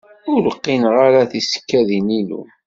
Ur qqineɣ ara tisekkadin-inu.